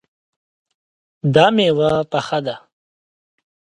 دا میوه پخه ده